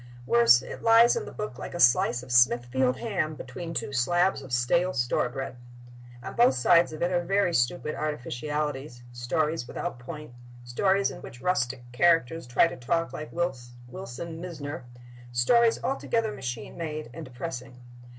Worse, it lies in the book like a slice of Smithfield ham between two slabs of stale store bread. On both sides of it are very stupid artificialities—stories without point, stories in which rustic characters try to talk like Wilson Mizner, stories altogether machine made and depressing.